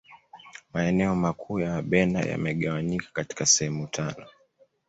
maeneo makuu ya wabena yamegawanyika katika sehemu tano